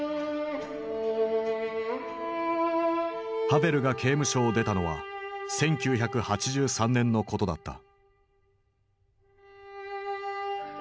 ハヴェルが刑務所を出たのは１９８３年のことだった。